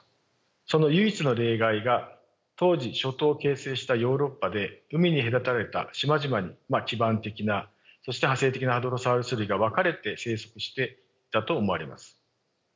その唯一の例外が当時諸島を形成したヨーロッパで海に隔たれた島々に基盤的なそして派生的なハドロサウルス類が分かれて生息していたと思われます。